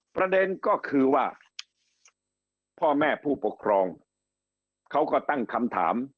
ประเด็นก็คือว่าพ่อแม่ผู้ปกครองเขาก็ตั้งคำถาม